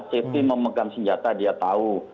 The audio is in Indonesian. cepi memegang senjata dia tahu